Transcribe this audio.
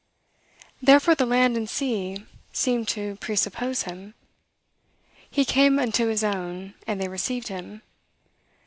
Therefore the land and sea seem to presuppose him. He came unto his own, and they received him.